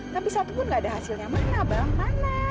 tapi satu pun gak ada hasilnya mana bang mana